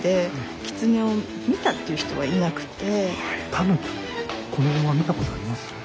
タヌキこの辺は見たことあります？